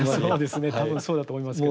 多分そうだと思いますけども。